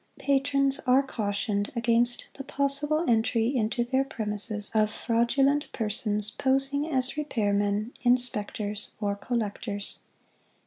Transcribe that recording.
la Patrons are Cautioned against the possible entry into their premises of Fraudulent Persons posing as Repairmen, Inspectors or Collectors.